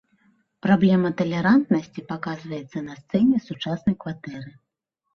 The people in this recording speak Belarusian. Праблема талерантнасці паказваецца на сцэне сучаснай кватэры.